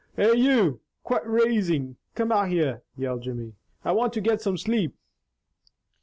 "Hey, you! Quit raisin' Cain out there!" yelled Jimmy. "I want to get some sleep."